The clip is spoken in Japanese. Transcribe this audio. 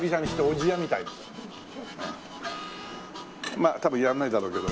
まあ多分やんないだろうけど。